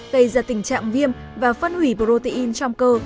gây ra tình trạng viêm và phân hủy protein trong cơ